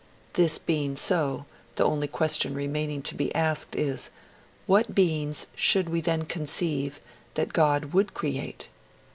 This being, so, the only question remaining to be asked is: 'What beings should we then conceive that God would create?'